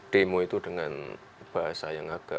demo itu dengan bahasa yang agak